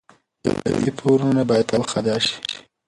دولتي پورونه باید په وخت ادا شي.